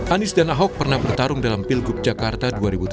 anies dan ahok pernah bertarung dalam pilgub jakarta dua ribu tujuh belas